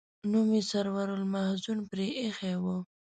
نوم یې سرور المحزون پر ایښی و.